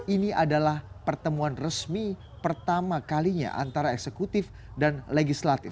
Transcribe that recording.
ini adalah pertemuan resmi pertama kalinya antara eksekutif dan legislatif